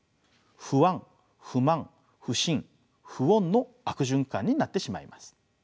不安不満不信不穏の悪循環になってしまいます。